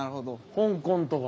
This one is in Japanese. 香港とか。